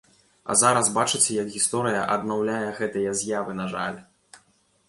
А зараз бачыце як гісторыя аднаўляе гэтыя з'явы, на жаль.